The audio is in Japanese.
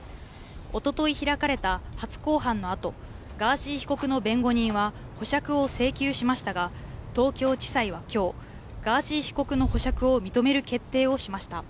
おととい開かれた初公判のあと、ガーシー被告の弁護人は、保釈を請求しましたが、東京地裁はきょう、ガーシー被告の保釈を認める決定をしました。